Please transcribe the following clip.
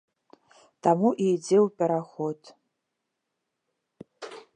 Таму і ідзе ў пераход.